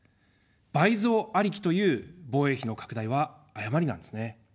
倍増ありきという防衛費の拡大は誤りなんですね。